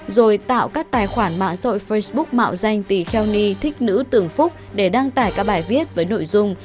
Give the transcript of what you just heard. rồi tạo các tài khoản mạo dội facebook mạo danh tì kheo ni thích nữ tường phúc để đăng tải các bài viết với nội dung